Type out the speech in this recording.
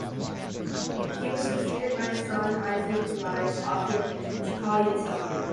He was succeeded by his son, Isaac Weiss, author of "Chakal Yitzchak".